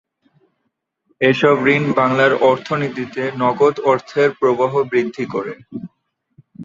এসব ঋণ বাংলার অর্থনীতিতে নগদ অর্থের প্রবাহ বৃদ্ধি করে।